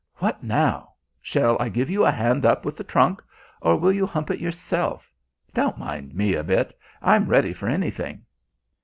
"What now? Shall I give you a hand up with the trunk, or will you hump it yourself? Don't mind me a bit. I'm ready for anything."